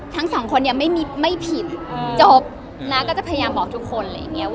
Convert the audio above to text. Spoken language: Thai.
ทั้งสองคนนี่ยังไม่ผิดมาอยากบอกทุกคน